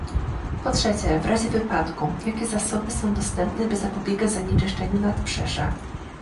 Po trzecie, w razie wypadku, jakie zasoby są dostępne, by zapobiegać zanieczyszczeniu nadbrzeża?